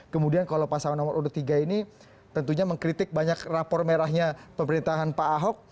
kemudian kalau pasangan nomor urut tiga ini tentunya mengkritik banyak rapor merahnya pemerintahan pak ahok